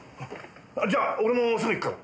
じゃあ俺もすぐ行くから。